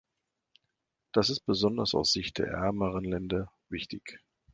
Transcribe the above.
Das ist besonders aus Sicht der ärmeren Länder wichtig.